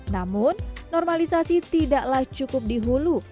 namun normalisasi tidaklah cukup dihulu